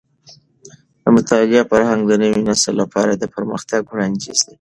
د مطالعې فرهنګ د نوي نسل لپاره د پرمختګ وړاندیز دی.